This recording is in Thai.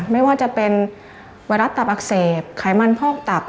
ไม่ว่าจะเป็นไวรัสตับอักเสบไขมันพอกตับ